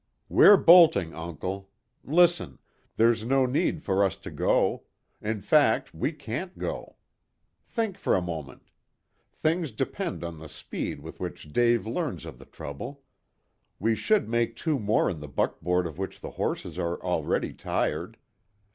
"We're bolting, uncle. Listen. There's no need for us to go. In fact, we can't go. Think for a moment. Things depend on the speed with which Dave learns of the trouble. We should make two more in the buckboard of which the horses are already tired.